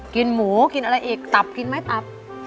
กินหมูกินอะไรอีกตับกินไหมตับ